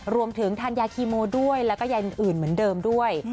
รวมถึงทานยาคีโมด้วยแล้วก็ยาอื่นเหมือนเดิมด้วย